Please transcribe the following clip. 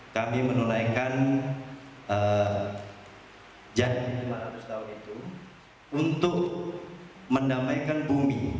kami menunaikan janji lima ratus tahun itu untuk mendamaikan bumi